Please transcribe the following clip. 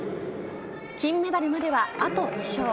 金メダルまではあと２勝。